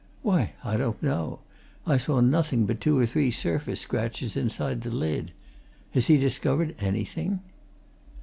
Why, I don't know I saw nothing but two or three surface scratches inside the lid. Has he discovered anything?"